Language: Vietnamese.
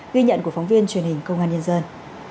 ghi nhận của phóng viên truyền hình công an nhân dân